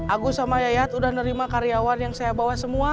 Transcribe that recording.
agus sama yayat udah nerima karyawan yang saya bawa semua